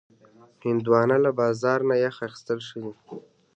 هندوانه له بازار نه یخ اخیستل ښه دي.